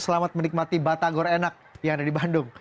selamat menikmati batagor enak yang ada di bandung